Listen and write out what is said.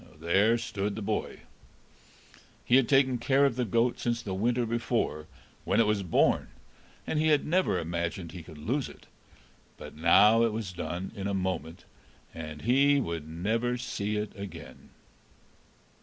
There stood the boy. He had taken care of the goat since the winter before, when it was born, and he had never imagined he could lose it; but now it was done in a moment, and he would never see it again.